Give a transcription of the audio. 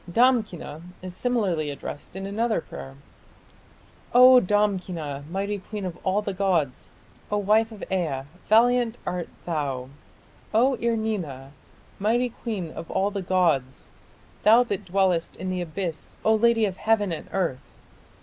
Damkina is similarly addressed in another prayer: O Damkina, mighty queen of all the gods, O wife of Ea, valiant art thou, O Ir nina, mighty queen of all the gods ... Thou that dwellest in the Abyss, O lady of heaven and earth!...